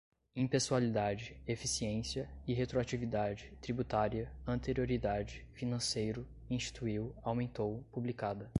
impessoalidade, eficiência, irretroatividade, tributária, anterioridade, financeiro, instituiu, aumentou, publicada